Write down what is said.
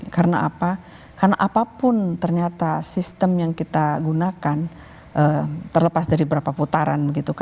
karena apa karena apapun ternyata sistem yang kita gunakan terlepas dari berapa putaran